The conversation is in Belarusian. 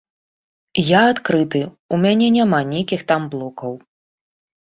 Я адкрыты, у мяне няма нейкіх там блокаў.